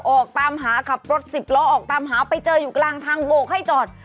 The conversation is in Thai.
ออกตามหาขับรถสิบล้อออกตามหาไปเจออยู่กลางทางโบกให้จอด